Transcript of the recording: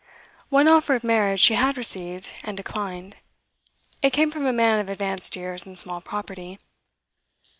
One offer of marriage she had received and declined; it came from a man of advanced years and small property.